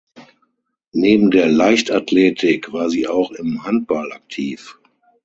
Neben der Leichtathletik war sie auch im Handball aktiv.